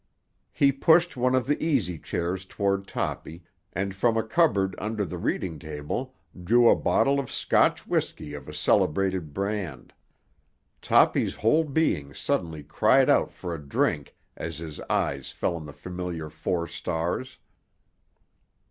He pushed one of the easy chairs toward Toppy, and from a cupboard under the reading table drew a bottle of Scotch whisky of a celebrated brand. Toppy's whole being suddenly cried out for a drink as his eyes fell on the familiar four stars.